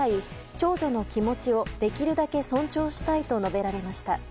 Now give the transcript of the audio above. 長女の気持ちをできるだけ尊重したいと述べられました。